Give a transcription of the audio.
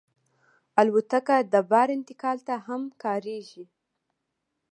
الوتکه د بار انتقال ته هم کارېږي.